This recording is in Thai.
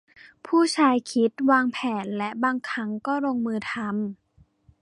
ผู้ชายคิด วางแผนและบางครั้งก็ลงมือทำ